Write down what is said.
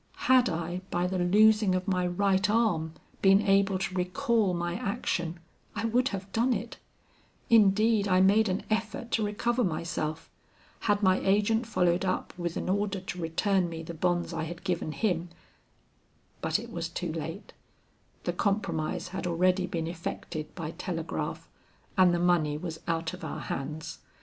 Had I by the losing of my right arm been able to recall my action, I would have done it; indeed I made an effort to recover myself; had my agent followed up with an order to return me the bonds I had given him, but it was too late, the compromise had already been effected by telegraph and the money was out of our hands.